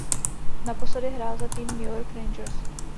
Naposledy hrál za tým New York Rangers.